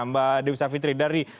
mbak dewi savitri dari